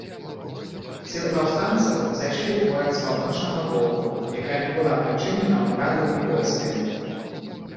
Сілы паўстанцаў зайшлі ў горад з паўночнага боку, якая не была прычынена ўрадавымі войскамі.